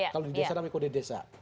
yang namanya kode desa